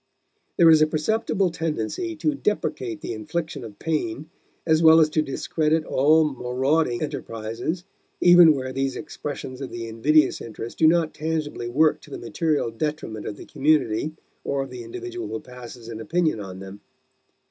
There is a perceptible tendency to deprecate the infliction of pain, as well as to discredit all marauding enterprises, even where these expressions of the invidious interest do not tangibly work to the material detriment of the community or of the individual who passes an opinion on them.